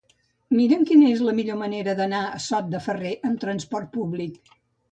Mira'm quina és la millor manera d'anar a Sot de Ferrer amb transport públic.